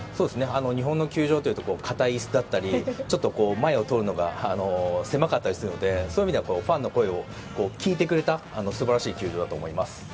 日本の球場というと硬い椅子だったりちょっと前を通るのが狭かったりするのでそういう意味ではファンの声を聞いてくれた素晴らしい球場だと思います。